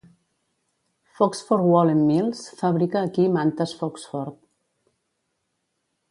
Foxford Woollen Mills fabrica aquí mantes Foxford.